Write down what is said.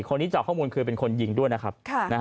คนนี้จากข้อมูลคือเป็นคนยิงด้วยนะครับ